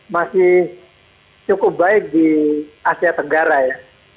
masih cukup baik di asia tenggara ya